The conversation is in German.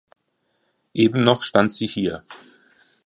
Eben noch stand sie hier.